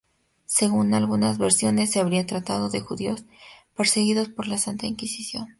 Según algunas versiones se habría tratado de judíos perseguidos por la Santa Inquisición.